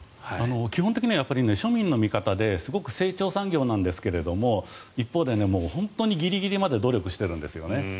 基本的には庶民の味方ですごく成長産業なんですが一方で本当にギリギリまで努力してるんですね。